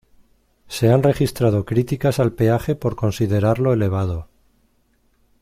Se han registrado críticas al peaje por considerarlo elevado.